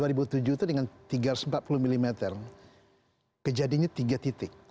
dua ribu tujuh itu dengan tiga ratus empat puluh mm kejadiannya tiga titik